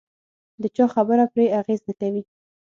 د چا خبره پرې اغېز نه کوي.